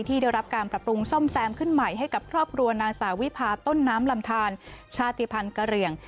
ได้รับการปรับปรุงซ่อมแซมขึ้นใหม่ให้กับครอบครัวนางสาวิพาต้นน้ำลำทานชาติภัณฑ์กะเหลี่ยง